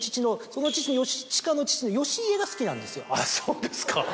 あっそうですか。